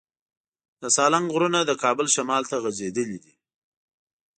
د سالنګ غرونه د کابل شمال ته غځېدلي دي.